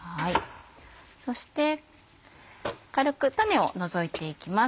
そして軽く種を除いていきます。